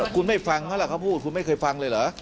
คุณไม่ฟังเขาล่ะเขาพูดคุณไม่เคยฟังเลยเหรอ